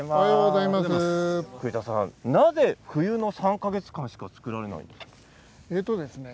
栗田さん、なぜ冬の３か月間しか作れないんですか？